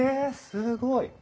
すごい。